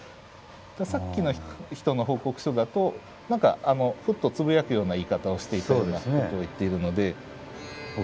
さっきの人の報告書だと何かふっとつぶやくような言い方をしていたようなことを言っているので。